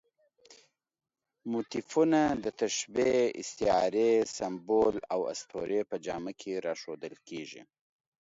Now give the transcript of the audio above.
موتیفونه د تشبیه، استعارې، سمبول او اسطورې په جامه کې راښودل کېږي.